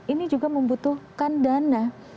ini juga membutuhkan dana